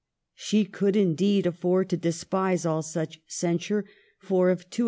She could, indeed, afford to despise all such censure, for, if too